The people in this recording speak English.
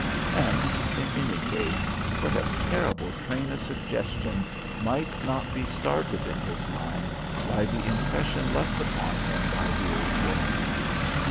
And, in any case, what a terrible train of suggestion might not be started in his mind by the impression left upon him by the old woman?